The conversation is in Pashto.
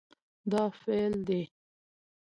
دا فعل دی